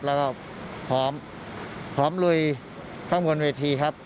แล้วก็ผอมผอมลุยข้างบนเวทีครับ